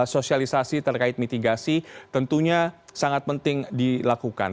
sosialisasi terkait mitigasi tentunya sangat penting dilakukan